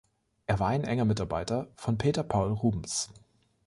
Er war ein enger Mitarbeiter von Peter Paul Rubens.